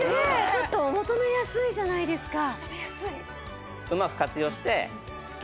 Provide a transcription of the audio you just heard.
ちょっとお求めやすいじゃないですか。